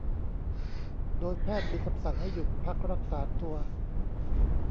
โดยแพทย์มีคำสั่งให้หยุดพักรักษาตัว